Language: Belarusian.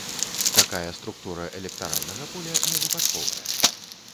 Такая структура электаральнага поля невыпадковая.